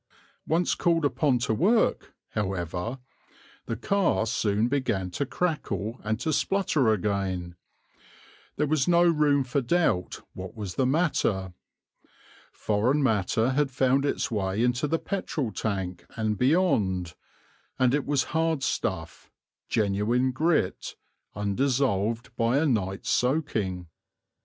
Once called upon to work, however, the car soon began to crackle and to splutter again. There was no room for doubt what was the matter. Foreign matter had found its way into the petrol tank and beyond; and it was hard stuff, genuine grit, undissolved by a night's soaking.